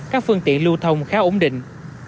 các phương tiện lưu thông khá ổn định